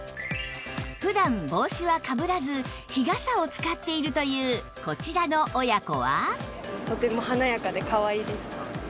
普段帽子はかぶらず日傘を使っているというこちらの親子は